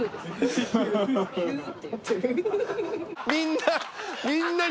みんな。